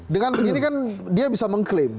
dengan begini kan dia bisa mengklaim